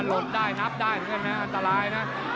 นับได้นับได้อันตรายนะ